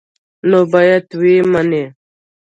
نو باید ویې مني.